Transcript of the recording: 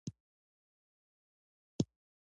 د چارمغز ګل د توروالي لپاره وکاروئ